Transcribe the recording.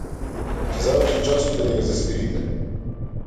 Ќе заврши часот додека се смирите.